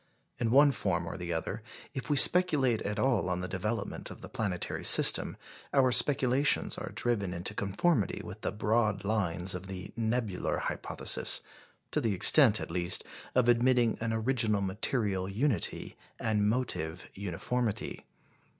In one form or the other, if we speculate at all on the development of the planetary system, our speculations are driven into conformity with the broad lines of the Nebular Hypothesis to the extent, at least, of admitting an original material unity and motive uniformity.